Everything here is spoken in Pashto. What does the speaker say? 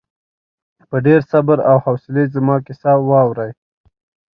په ډېر صبر او حوصلې زما کیسه واورې.